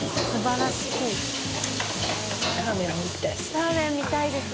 ラーメン見たいです！